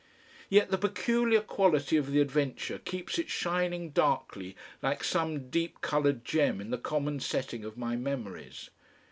Yet the peculiar quality of the adventure keeps it shining darkly like some deep coloured gem in the common setting of my memories.